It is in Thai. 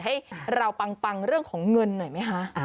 ให้เราปังเรื่องของเงินหน่อยไหมคะ